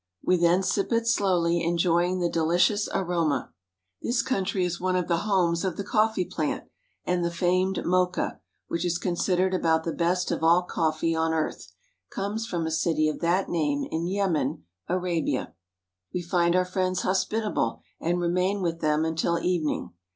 We then sip it slowly, enjoying the delicious aroma. This country is one of the homes of the coffee plant, and the famed Mocha, which is considered about the best of all coffee on earth, comes from a city of that name in Yemen, Arabia. We find our friends hospitable, and remain with them until evening.